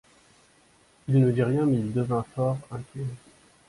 Il ne dit rien, mais il devint fort inquiet.